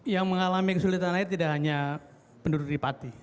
yang mengalami kesulitan air tidak hanya penduduk di pati